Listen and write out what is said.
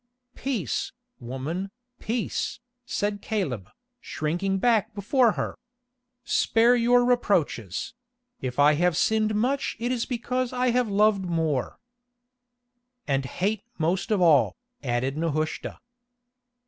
"Peace, woman, peace," said Caleb, shrinking back before her. "Spare your reproaches; if I have sinned much it is because I have loved more——" "And hate most of all," added Nehushta.